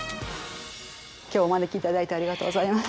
今日はお招きいただいてありがとうございます。